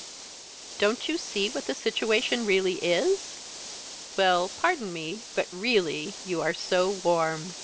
"Don't you see what the situation really is?" "Well pardon me but really, you are so warm.